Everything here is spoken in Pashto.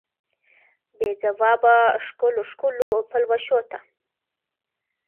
بې ځوابه ښکلو، ښکلو پلوشو ته